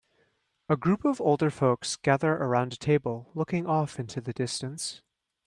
A group of older folks gather around a table looking off into the distance.